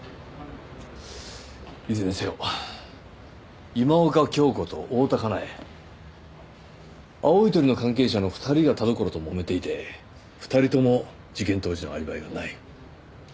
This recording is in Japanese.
いずれにせよ今岡鏡子と大多香苗青い鳥の関係者の２人が田所ともめていて２人とも事件当時のアリバイがない。